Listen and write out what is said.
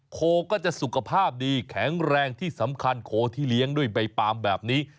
โคก็จะสุขภาพดีแข็งแรงที่สำคัญโคที่เลี้ยงด้วยใบปาล์มแบบนี้